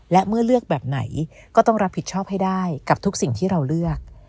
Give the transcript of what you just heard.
และเมื่อเลือกแบบไหนก็ต้องรับผิดชอบให้ได้กับทุกสิ่งที่เราเลือก